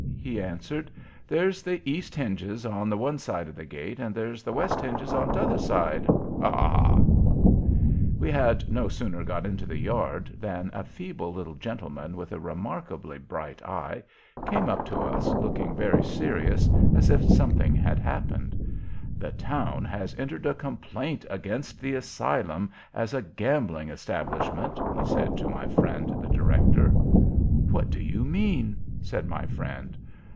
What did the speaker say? he answered; "there's the East hinges on the one side of the gate, and there's the West hinges on t'other side—haw! haw! haw!" We had no sooner got into the yard than a feeble little gentleman, with a remarkably bright eye, came up to us, looking very serious, as if something had happened. "The town has entered a complaint against the Asylum as a gambling establishment," he said to my friend, the Director. "What do you mean?" said my friend.